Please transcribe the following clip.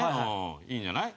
いいんじゃない？